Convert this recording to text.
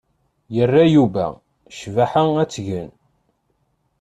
Yerra Yuba Cabḥa ad tgen.